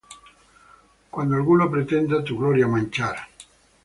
Cuando alguno pretenda tu gloria manchar